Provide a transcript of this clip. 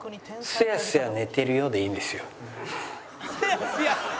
「“すやすやねてるよ”でいいんだよ」